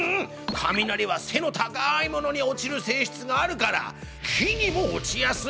雷はせの高いものに落ちるせいしつがあるから木にも落ちやすいんだ。